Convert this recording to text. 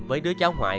với đứa cháu hoài